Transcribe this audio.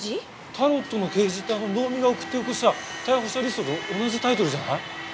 「タロットの啓示」ってあの能見が送って寄越した逮捕者リストと同じタイトルじゃない？